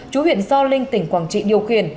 chú huyện do linh tỉnh quảng trị điều khiển